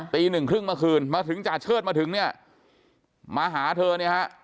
ตีหนึ่งครึ่งเมื่อคืนมาถึงจ่าเชิดมาถึงเนี่ยมาหาเธอเนี่ยฮะ